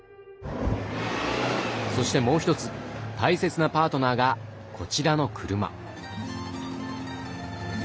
そしてもうひとつ大切なパートナーがこちらの車。